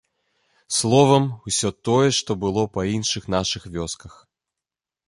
Словам, усё тое, што было па іншых нашых вёсках.